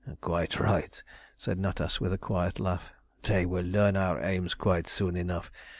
"Quite right," said Natas, with a quiet laugh. "They will learn our aims quite soon enough.